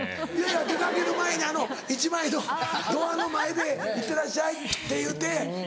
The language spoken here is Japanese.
出掛ける前に１枚のドアの前で「いってらっしゃいチュっ」て言うて。